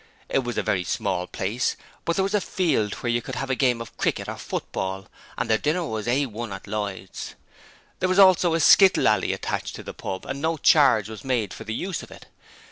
It was a very small place, but there was a field where you could have a game of cricket or football, and the dinner was A1 at Lloyds. There was also a skittle alley attached to the pub and no charge was made for the use of it.